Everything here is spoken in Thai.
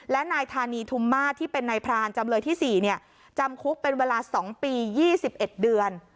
และนายธานีทุมมาทที่เป็นนายพรานจำเลยที่สี่เนี่ยจำคุกเป็นเวลาสองปียี่สิบเอ็ดเดือน